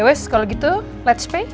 yowes kalau gitu let's pay